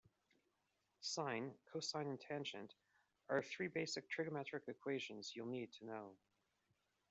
Sine, cosine and tangent are three basic trigonometric equations you'll need to know.